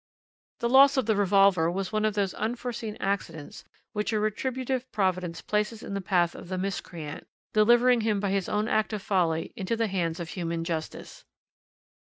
"The loss of the revolver was one of those unforeseen accidents which a retributive Providence places in the path of the miscreant, delivering him by his own act of folly into the hands of human justice.